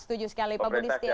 setuju sekali pak budi setia